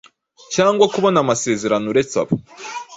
cyangwa kubona amasezerano uretse abo